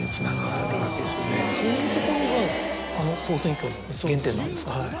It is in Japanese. そういうところがあの総選挙の原点なんですね。